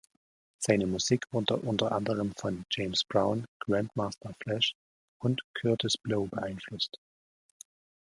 Seine Musik wurde unter anderem von James Brown, Grandmaster Flash und Kurtis Blow beeinflusst.